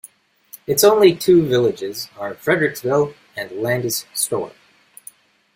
Its only two villages are Fredericksville and Landis Store.